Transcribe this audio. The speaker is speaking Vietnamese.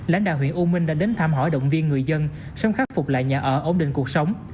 lãnh đạo huyện u minh đã đến thăm hỏi động viên người dân sớm khắc phục lại nhà ở ổn định cuộc sống